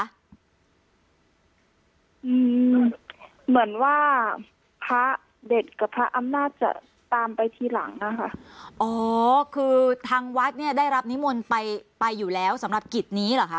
เหมือนว่าพระเด็กกับพระอำนาจจะตามไปทีหลังอ่ะค่ะอ๋อคือทางวัดเนี่ยได้รับนิมนต์ไปไปอยู่แล้วสำหรับกิจนี้เหรอคะ